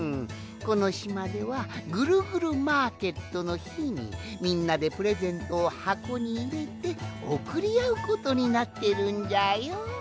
このしまではぐるぐるマーケットのひにみんなでプレゼントをはこにいれておくりあうことになってるんじゃよ。